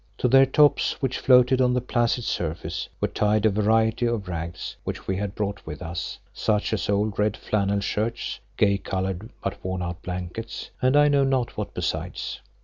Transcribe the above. To their tops, which floated on the placid surface, were tied a variety of rags which we had brought with us, such as old red flannel shirts, gay coloured but worn out blankets, and I know not what besides.